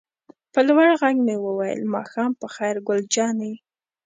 په لوړ غږ مې وویل: ماښام په خیر ګل جانې.